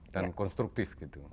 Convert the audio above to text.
dan konstruktif gitu